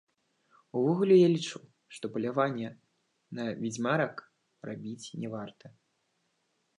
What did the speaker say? Увогуле я лічу, што палявання на вядзьмарак рабіць не варта.